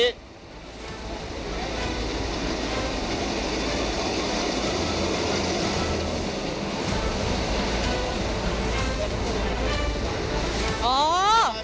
คนขับไม่มา